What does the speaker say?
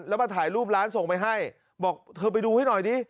แล้วมาถ่ายรูปร้านส่งไปให้บอกเธอไปดูให้หน่อยดิ